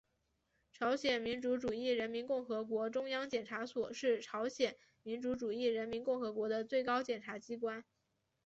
朝鲜民主主义人民共和国中央检察所是朝鲜民主主义人民共和国的最高检察机关。